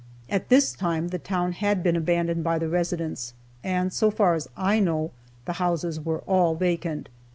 At this time the town had been abandoned by the residents, and so far as I know the houses were all vacant.